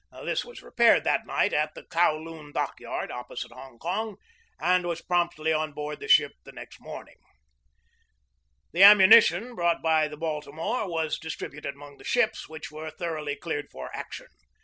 This was repaired that night at the Kowloon dock yard, opposite Hong Kong, and was promptly on board the ship the next morning. FINAL PREPARATIONS FOR WAR 195 The ammunition brought by the Baltimore was distributed among the ships, which were thoroughly cleared for action.